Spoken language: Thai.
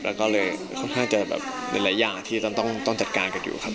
แล้วก็เลยค่อนข้างจะแบบหลายอย่างที่ต้องจัดการกันอยู่ครับ